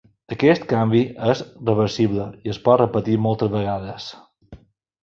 Aquest canvi és reversible i es pot repetir moltes vegades.